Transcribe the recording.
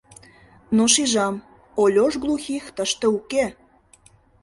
Но шижам: Ольош Глухих тыште уке.